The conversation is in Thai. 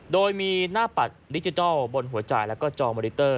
โดยมีหน้าปัดดิจิทัลบนหัวจ่ายแล้วก็จองมอนิเตอร์